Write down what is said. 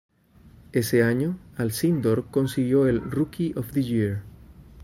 Ese año, Alcindor consiguió el "Rookie of the Year".